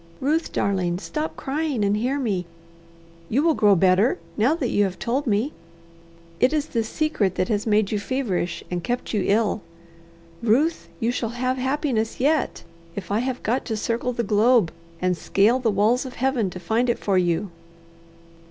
Ruth, darling, stop crying and hear me. You will grow better, now that you have told me. It is this secret that has made you feverish and kept you ill. Ruth, you shall have happiness yet, if I have got to circle the globe and scale the walls of Heaven to find it for you."